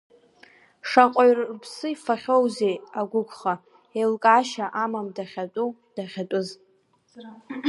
Шаҟаҩ рыԥсы ифахьоузеи агәықәха, еилкаашьа амам дахьатәу, дахьатәыз.